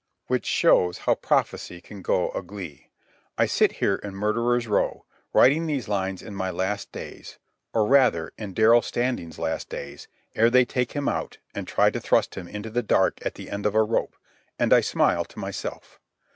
Which shows how prophecy can go agley. I sit here in Murderers' Row, writing these lines in my last days, or, rather, in Darrell Standing's last days ere they take him out and try to thrust him into the dark at the end of a rope, and I smile to myself.